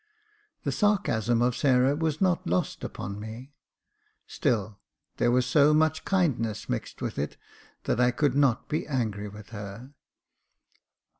The sarcasm of Sarah was not lost upon me ; still there was so much kind ness mixed with it that I could not be angry with her.